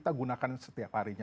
menggunakan setiap harinya